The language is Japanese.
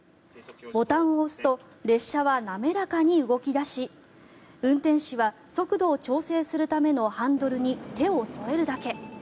ボタンを押すと列車は滑らかに動き出し運転士は速度を調整するためのハンドルに手を添えるだけ。